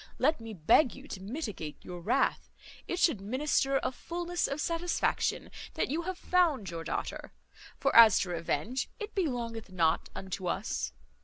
Let me beg you to mitigate your wrath; it should minister a fulness of satisfaction that you have found your daughter; for as to revenge, it belongeth not unto us.